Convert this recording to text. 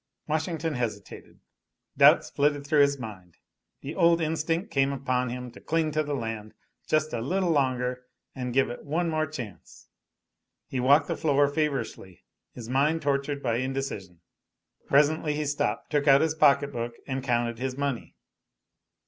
Washington hesitated. Doubts flitted through his mind. The old instinct came upon him to cling to the land just a little longer and give it one more chance. He walked the floor feverishly, his mind tortured by indecision. Presently he stopped, took out his pocket book and counted his money.